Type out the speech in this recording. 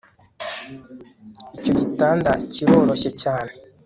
icyo gitanda kiroroshye cyane